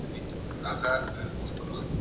د قبر او قیامت فکر وکړئ.